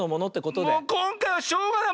もうこんかいはしょうがない。